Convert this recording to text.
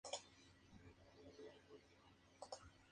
Plastic soul".